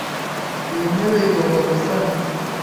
Iyi ntebe igomba gusanwa.